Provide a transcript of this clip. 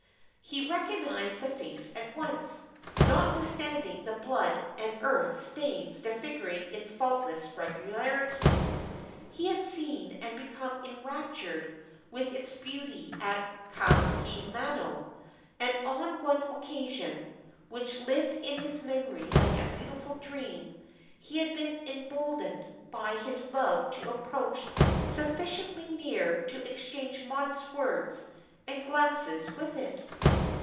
He recognized the face at once, notwithstanding the blood and earth stains disfiguring its faultless regularity. He had seen and become enraptured with its beauty at Kahaiamano, and on one occasion, which lived in his memory like a beautiful dream, he had been emboldened by his love to approach sufficiently near to exchange modest words and glances with it.